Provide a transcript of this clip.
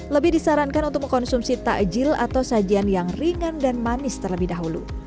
lebih disarankan untuk mengkonsumsi takjil atau sajian yang ringan dan manis terlebih dahulu